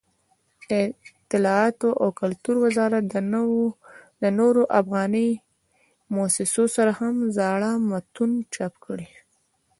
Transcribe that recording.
دطلاعاتو او کلتور وزارت د نورو افغاني مؤسسو سره هم زاړه متون چاپ کړي.